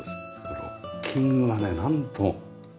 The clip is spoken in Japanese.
ロッキングがねなんとも。